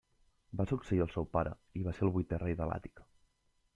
Va succeir el seu pare i va ser el vuitè rei de l'Àtica.